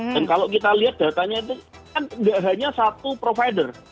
dan kalau kita lihat datanya itu kan nggak hanya satu provider